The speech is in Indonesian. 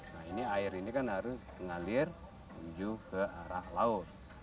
nah ini air ini kan harus mengalir menuju ke arah laut